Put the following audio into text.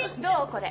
これ。